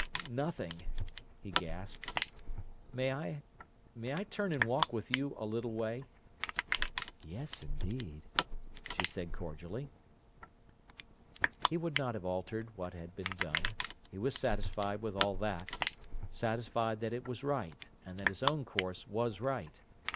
"Nothing!" he gasped. "May I—may I turn and walk with you a little way?" "Yes, indeed!" she said cordially. He would not have altered what had been done: he was satisfied with all that—satisfied that it was right, and that his own course was right.